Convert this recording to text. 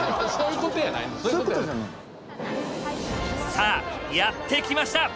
さあやって来ました！